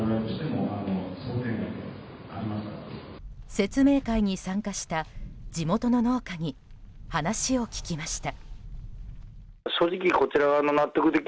説明会に参加した地元の農家に話を聞きました。